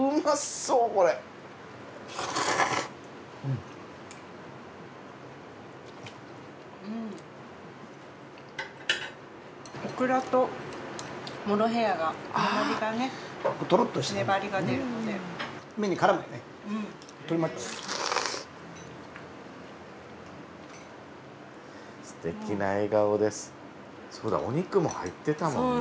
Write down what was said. そうだお肉も入ってたもんね。